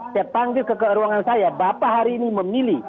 saya panggil ke ruangan saya bapak hari ini memilih